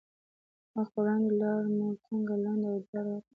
مخ په وړاندې لار مو تنګه، لنده او دواړو اړخو ته یې.